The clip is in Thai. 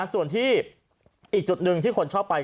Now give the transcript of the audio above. ส่วนที่อีกจุดหนึ่งที่คนชอบไป